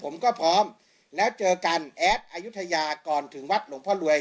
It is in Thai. ผมก็พร้อมแล้วเจอกันแอดอายุทยาก่อนถึงวัดหลวงพ่อรวย